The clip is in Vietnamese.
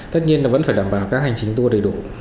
tất nhiên nó vẫn phải đảm bảo các hành trình tour đầy đủ